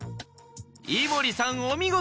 井森さんお見事！